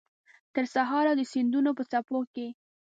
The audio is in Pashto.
ترسهاره د سیندونو په څپو کې